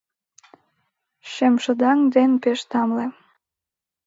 Шемшыдаҥ дене пеш тамле.